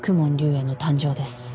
炎の誕生です